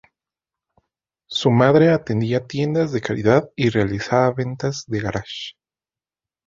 Su madre atendía tiendas de caridad y realizaba ventas de garaje.